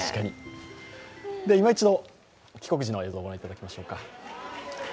いま一度、帰国時の映像、ご覧いただきましょうか。